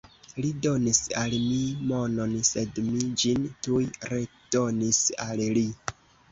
Li donis al mi monon, sed mi ĝin tuj redonis al li.